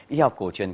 y học cổ truyền